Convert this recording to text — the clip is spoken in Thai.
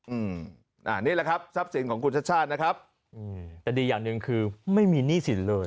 อืมอ่านี่แหละครับทรัพย์สินของคุณชาติชาตินะครับอืมแต่ดีอย่างหนึ่งคือไม่มีหนี้สินเลย